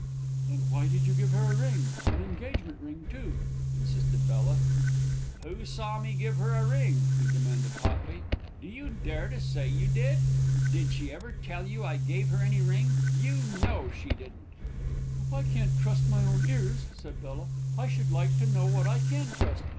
"Then why did you give her a ring an engagement ring too?" insisted Bella. "Who saw me give her a ring?" he demanded hotly. "Do you dare to say you did? Did she ever tell you I gave her any ring? You know she didn't!" "If I can't trust my own ears," said Bella, "I should like to know what I can trust.